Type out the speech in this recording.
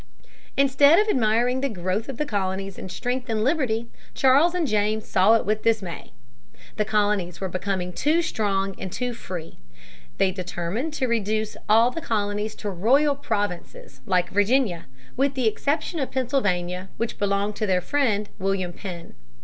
Instead of admiring the growth of the colonies in strength and in liberty, Charles and James saw it with dismay. The colonies were becoming too strong and too free. They determined to reduce all the colonies to royal provinces, like Virginia with the exception of Pennsylvania which belonged to their friend, William Penn.